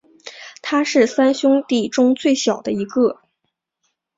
他是三兄弟中最小的一个。